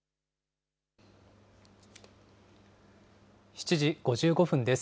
７時５５分です。